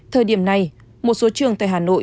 thời điểm này một số trường tại hà nội